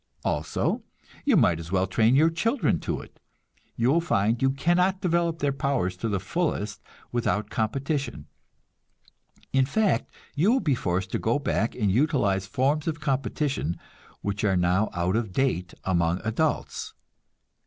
Also, you might as well train your children to it. You will find you cannot develop their powers to the fullest without competition; in fact, you will be forced to go back and utilize forms of competition which are now out of date among adults.